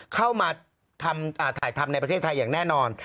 เข้ามาทำถ่ายทำในประเทศไทยอย่างแน่นอน